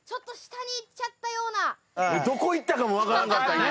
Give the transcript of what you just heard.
どこいったかも分からんかった今。